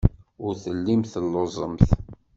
Ur tellimt telluẓemt.